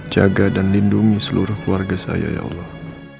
jaga dan lindungi seluruh keluarga saya ya allah